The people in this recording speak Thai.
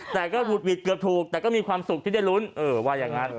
แต่ฝูดหวิดเกือบถูกแต่ก็มีความสุขที่ได้รุ้นว่ายังงั้น